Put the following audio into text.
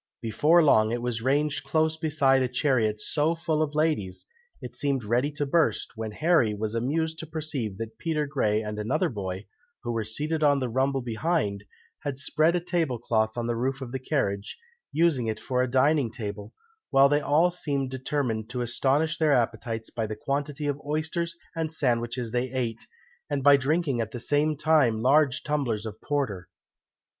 Before long it was ranged close beside a chariot so full of ladies, it seemed ready to burst, when Harry was amused to perceive that Peter Grey and another boy, who were seated on the rumble behind, had spread a table cloth on the roof of the carriage, using it for a dining table, while they all seemed determined to astonish their appetites by the quantity of oysters and sandwiches they ate, and by drinking at the same time large tumblers of porter.